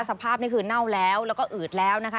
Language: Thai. สภาพนี่คือเน่าแล้วแล้วก็อืดแล้วนะคะ